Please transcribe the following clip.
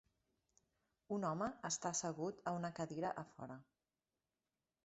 Un home està assegut a una cadira a fora.